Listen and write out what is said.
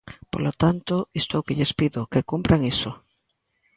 Polo tanto, isto é o que lles pido: que cumpran iso.